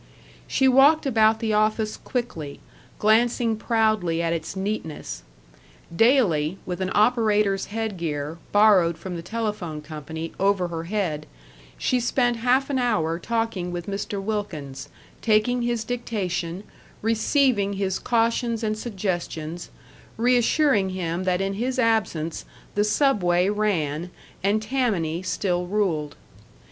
She walked about the office quickly, glancing proudly at its neatness. Daily, with an operator's headgear, borrowed from the telephone company, over her head, she spent half an hour talking with Mr. Wilkins, taking his dictation, receiving his cautions and suggestions, reassuring him that in his absence the Subway ran and Tammany still ruled.